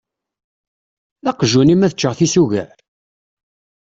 D aqjun-im ad ččeɣ tisugar!?